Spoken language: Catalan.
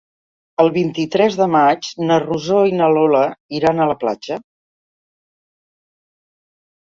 El vint-i-tres de maig na Rosó i na Lola iran a la platja.